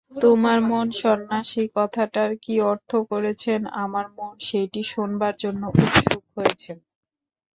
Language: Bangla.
তোমার মন সন্ন্যাসী কথাটার কী অর্থ করছেন আমার মন সেইটি শোনবার জন্য উৎসুক হয়েছেন।